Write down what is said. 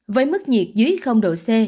với mức nhiệt dưới độ c